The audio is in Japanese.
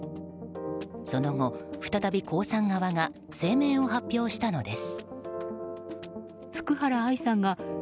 その後、再び江さん側が声明を発表したのです。